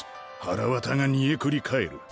「はらわたが煮えくり返る」。